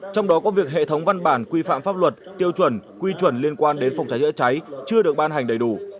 trong đó có việc hệ thống văn bản quy phạm pháp luật tiêu chuẩn quy chuẩn liên quan đến phòng cháy chữa cháy chưa được ban hành đầy đủ